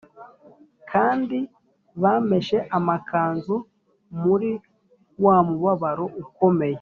kandi bameshe amakanzu muri wa mubabaro ukomeye